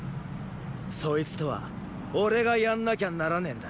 そいつとは俺が戦んなきゃならねェんだ。